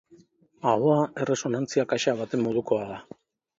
Ahoa erresonantzia kaxa baten modukoa da.